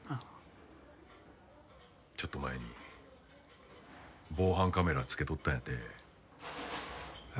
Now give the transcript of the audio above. ちょっと前に防犯カメラつけとったんやてえ。